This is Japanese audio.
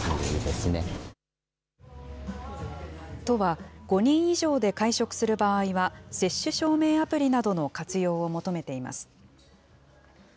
都は、５人以上で会食する場合は接種証明アプリなどの活用を求めています。